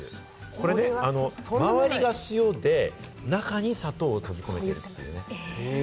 これね周りが塩で中に砂糖を閉じ込めているという。